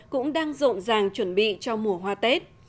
cũng đang rộn ràng chuẩn bị cho mùa hoa tết